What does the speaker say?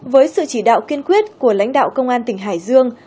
với sự chỉ đạo kiên quyết của lãnh đạo công an tỉnh hải dương